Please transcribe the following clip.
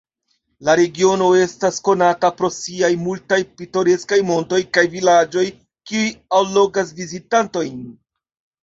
La regiono estas konata pro siaj multaj pitoreskaj montoj kaj vilaĝoj, kiuj allogas vizitantojn.